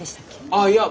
あっいや